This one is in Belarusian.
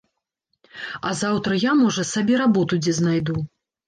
А заўтра я, можа, сабе работу дзе знайду.